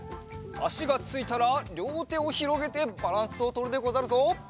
あしがついたらりょうてをひろげてバランスをとるでござるぞ。